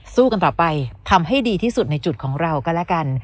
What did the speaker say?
สู้กันต่อไปทำให้ดีที่สุดในจุดของเราก็แล้วกัน